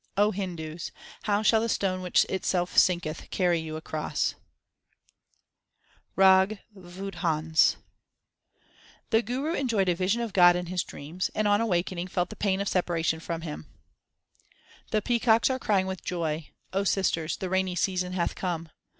Hindus, how shall the stone which itself sinketh carry you across ? RAG WADHANS The Guru enjoyed a vision of God in his dreams, and on awaking felt the pain of separation from Him: The peacocks are crying with joy ; O sisters, the rainy season hath come.